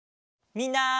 みんな。